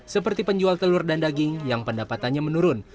seperti penjual telur dan daging yang pendapatannya menurun